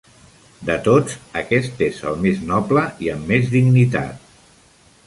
De tots, aquest és el més noble i amb més dignitat.